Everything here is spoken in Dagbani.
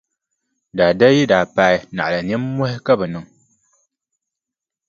Daa dali yi daa paai naɣila nimmɔhi ka bɛ niŋ.